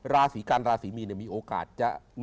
ราศีกันราศีมีนมีโอกาสจะ